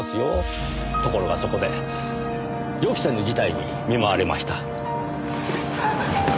ところがそこで予期せぬ事態に見舞われました。